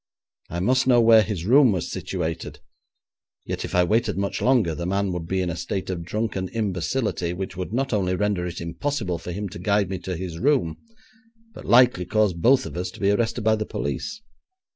I must know where his room was situated, yet if I waited much longer the man would be in a state of drunken imbecility which would not only render it impossible for him to guide me to his room, but likely cause both of us to be arrested by the police.